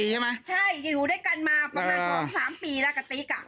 ใช่อยู่ด้วยกันมาประมาณ๒๓ปีแล้วกับติ๊กอ่ะ